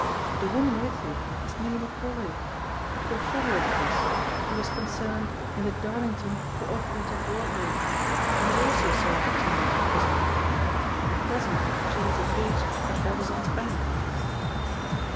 The woman with you was Milly Macroy, a confederate of his who was concerned in the Darlington Co Operative robbery and has also served a term of imprisonment. At present she is engaged at Brabazon's Bank."